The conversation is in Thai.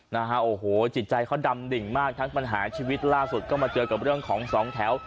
นะฮะโอ้โหจิตใจเขาดำดิ่งมากทั้งปัญหาชีวิตล่าสุดก็มาเจอกับเรื่องของสองแถว